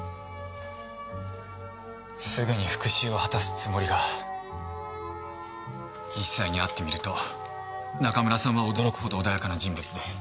すぐに復讐を果たすつもりが実際に会ってみると中村さんは驚くほど穏やかな人物で。